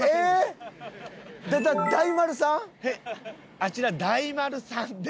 あちら大丸さんで。